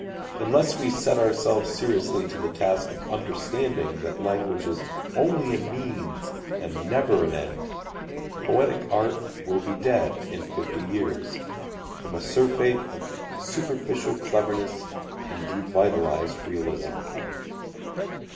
Unless we set ourselves seriously to the task of understanding that language is only a means and never an end, poetic art will be dead in fifty years, from a surfeit of superficial cleverness and devitalized realism.